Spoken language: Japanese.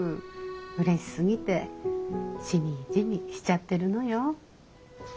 うれしすぎてしみじみしちゃってるのよ。